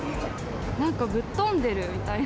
なんかぶっ飛んでるみたいな。